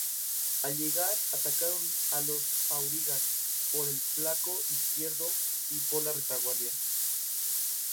Al llegar atacaron a los aurigas por el flanco izquierdo y por la retaguardia.